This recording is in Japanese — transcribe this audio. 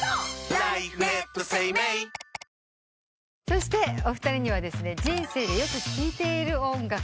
そしてお二人には人生でよく聴いている音楽